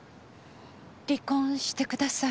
離婚してください。